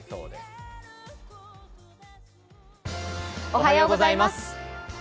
おはようございます。